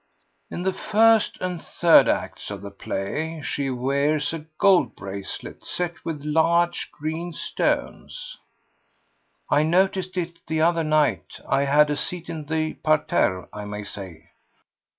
"In the first and third acts of the play she wears a gold bracelet set with large green stones." "I noticed it the other night. I had a seat in the parterre, I may say."